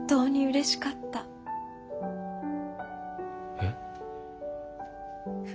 えっ？